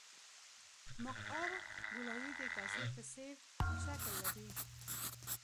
مقعر ګولایي د کاسې په څېر شکل لري